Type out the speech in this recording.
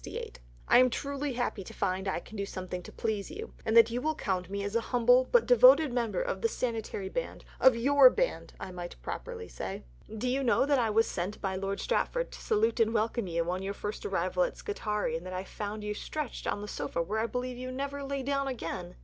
I am truly happy to find that I can do something to please you and that you will count me as a humble but devoted member of the Sanitary band, of your band I might more properly say! Do you know that I was sent by Lord Stratford to salute and welcome you on your first arrival at Scutari and that I found you stretched on the sofa where I believe you never lay down again?